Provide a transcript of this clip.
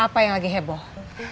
apa yang lagi heboh